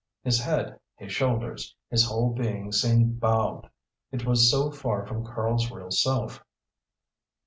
His head, his shoulders, his whole being seemed bowed. It was so far from Karl's real self.